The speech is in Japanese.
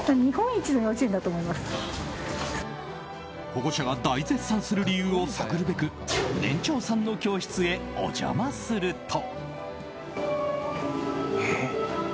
保護者が大絶賛する理由を探るべく年長さんの教室へお邪魔すると。